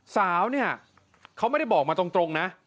สาวเนี่ยเขาไม่ได้บอกมาตรงนะ